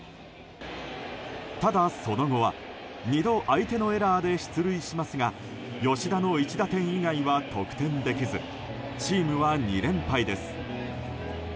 ただ、その後は２度相手のエラーで出塁しますが吉田の１打点以外は得点できずチームは２連敗です。